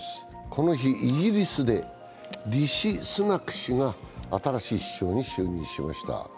この日、イギリスでリシ・スナク氏が新しい首相に就任しました。